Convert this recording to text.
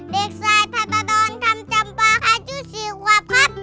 เด็กสายถาตะดอนทำจำปลาค่ะชื่อสี่ขวบครับ